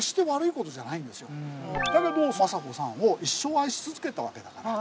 だけど政子さんを一生愛し続けたわけだから。